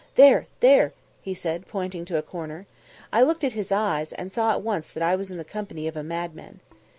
"There, there!" he said, pointing to a corner. I looked at his eyes, and saw at once that I was in the company of a madman.